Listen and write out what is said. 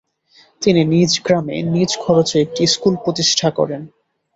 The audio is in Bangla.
তিনি নিজ গ্রামে নিজ খরচে একটি স্কুুল প্রতিষ্ঠা করেন।